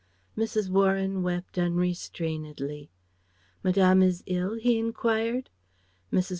Mrs. Warren wept unrestrainedly. "Madame is ill?" he enquired. Mrs.